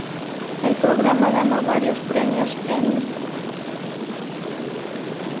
El programa ganó varios premios Emmy.